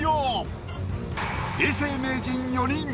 永世名人４人。